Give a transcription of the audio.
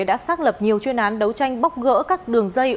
đã xác lập nhiều chuyên án đấu tranh bóc gỡ các đường dây